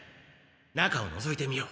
中をのぞいてみよう。